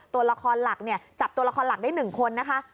ตัวละครหลักเนี่ยจับตัวละครหลักได้๑คนนะคะ